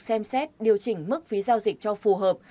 xem xét điều chỉnh mức phí giao dịch cho phù hợp